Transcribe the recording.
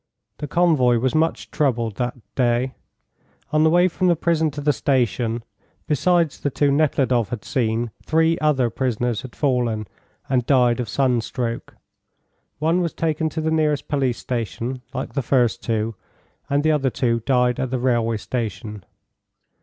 The convoy was much troubled that day. On the way from the prison to the station, besides the two Nekhludoff had seen, three other prisoners had fallen and died of sunstroke. One was taken to the nearest police station like the first two, and the other two died at the railway station.